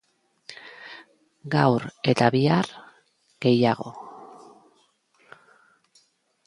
Gaur eta bihar, gehiago.